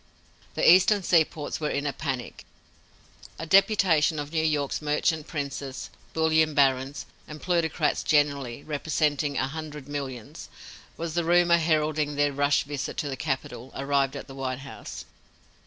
The Eastern seaports were in a panic. A deputation of New York's merchant princes, bullion barons, and plutocrats generally, representing "a hundred millions," was the rumor heralding their "rush" visit to the capital, arrived at the White House.